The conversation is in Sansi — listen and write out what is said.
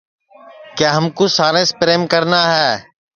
کہ ہم کُو ساریںٚس پریم کرنا ہے